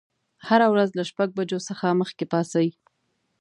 هره ورځ له شپږ بجو څخه مخکې پاڅئ.